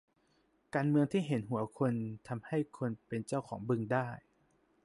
การเมืองที่เห็นหัวคนทำให้คนเป็นเจ้าของบึงได้